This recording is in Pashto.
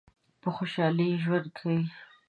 په خوشحالی ژوند کوی؟